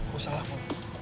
gue salah mo